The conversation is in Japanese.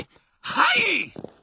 「はい！」。